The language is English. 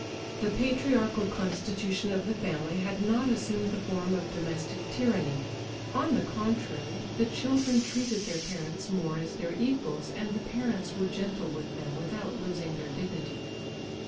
The patriarchal constitution of the family had not assumed the form of domestic tyranny. On the contrary the children treated their parents more as their equals, and the parents were gentle with them without losing their dignity.